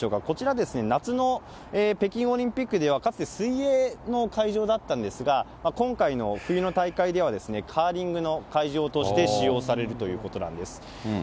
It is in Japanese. こちら、夏の北京オリンピックでは、かつて水泳の会場だったんですが、今回の冬の大会ではカーリングの会場として使用されるということなんです。